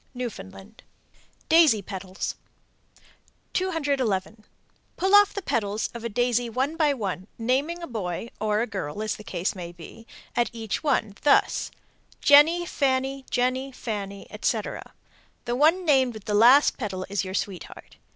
Newfoundland. DAISY PETALS. 211. Pull off the "petals" of a daisy one by one, naming a boy (or a girl as the case may be) at each one, thus, "Jenny, Fanny, Jenny, Fanny," etc. The one named with the last petal is your sweetheart.